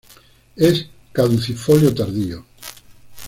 Es caducifolio tardío.